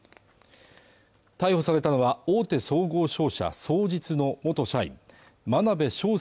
逮捕されたのは大手総合商社双日の元社員真鍋昌奨